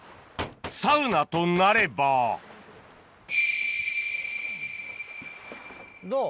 サウナとなればどう？